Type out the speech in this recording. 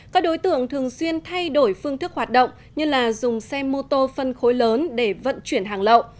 các đối tượng thường xuyên thay đổi phương thức hoạt động như là dùng xe mô tô phân khối lớn để vận chuyển hàng lậu